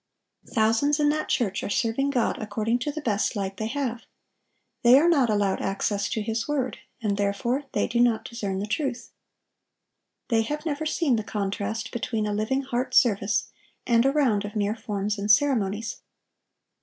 Thousands in that church are serving God according to the best light they have. They are not allowed access to His word, and therefore they do not discern the truth. They have never seen the contrast between a living heart service and a round of mere forms and ceremonies.